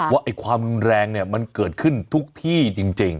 ว่าความรุนแรงเนี่ยมันเกิดขึ้นทุกที่จริง